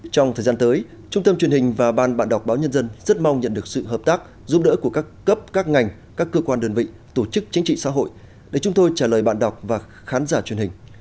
trong thời gian tới trung tâm truyền hình và ban bạn đọc báo nhân dân rất mong nhận được sự hợp tác giúp đỡ của các cấp các ngành các cơ quan đơn vị tổ chức chính trị xã hội để chúng tôi trả lời bạn đọc và khán giả truyền hình